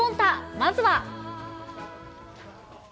まずは。